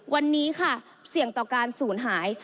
วันนี้ค่ะเสี่ยงต่อการศูนย์หาย